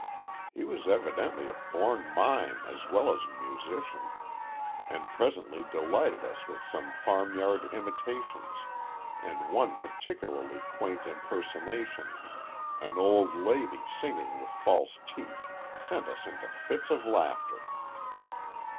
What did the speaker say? He was evidently a born mime as well as a musician, and presently delighted us with some farmyard imitations, and one particularly quaint impersonation, "an old lady singing with false teeth," sent us into fits of laughter.